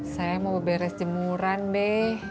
saya mau beres jemuran deh